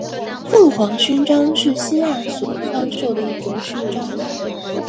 凤凰勋章是希腊所颁授的一种勋章。